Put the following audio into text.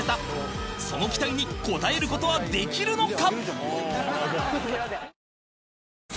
その期待に応える事はできるのか？